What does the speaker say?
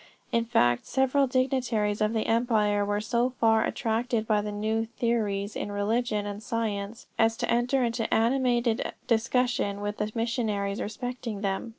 In fact, several dignitaries of the empire were so far attracted by the new theories in religion and science, as to enter into animated discussions with the missionaries respecting them.